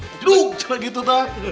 gedug celah gitu tah